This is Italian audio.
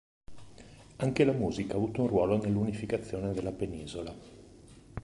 Anche la musica ha avuto un ruolo nell'unificazione della penisola.